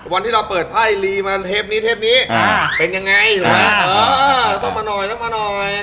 วันที่เราเปิดไภอายีนิมาเทปนี้เทปนี้เป็นยังไงส์ต้องมาหน่อย